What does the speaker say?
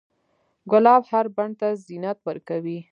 ګلاب هر بڼ ته زینت ورکوي.